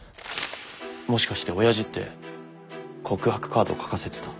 もしかして親父って告白カードを書かせてた？